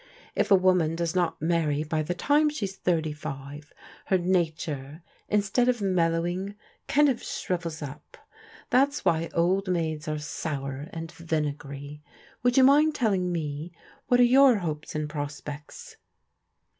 If a woman does not marry by the time she's thirty five, her nature, instead of mellow ing, kind of shrivels up. That's why old maids are sour, and vinegary. Would you mind telling me what are your hopes and prospects?"